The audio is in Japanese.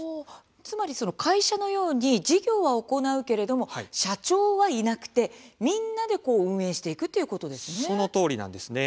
つまり会社のように事業は行うけれども社長はいなくてみんなで運営していくそのとおりです。